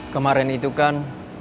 kemarin itu kan